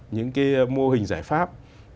những cái mô hình giải pháp